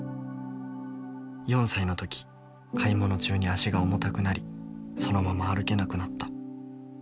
４歳の時買い物中に足が重たくなりそのまま歩けなくなった。